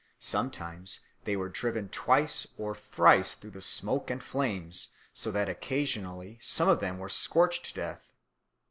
Sometimes they were driven twice or thrice through the smoke and flames, so that occasionally some of them were scorched to death.